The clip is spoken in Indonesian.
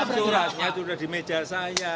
suratnya itu sudah di meja saya